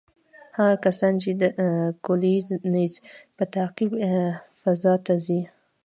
هغه کسان چې د کولینز په تعقیب فضا ته ځي،